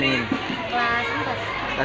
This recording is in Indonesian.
kelas empat empat empat